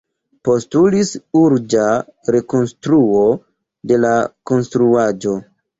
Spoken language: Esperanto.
Postulis urĝa rekonstruo de la konstruaĵo.